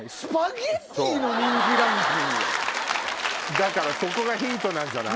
だからそこがヒントじゃない？